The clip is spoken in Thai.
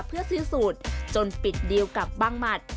เพื่อซื้อสูตรจนปิดดีลกับบ้างหมัด